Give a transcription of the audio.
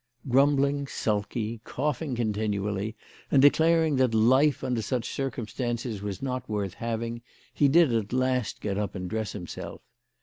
Grumbling, sulky, coughing continually, and de claring that life under sucli circumstances was not worth having, he did at last get up and dress himself.